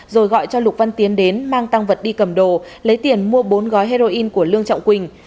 rồi gọi cho lục văn tiến đến mang tăng vật đi cầm đồ lấy tiền mua bốn gói heroin của lương trọng quỳnh